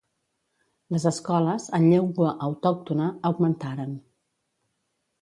Les escoles -en llengua autòctona- augmentaren.